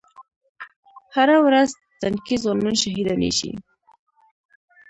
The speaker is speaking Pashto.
هره ورځ تنکي ځوانان شهیدانېږي